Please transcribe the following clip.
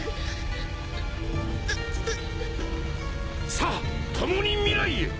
さあ共に未来へ！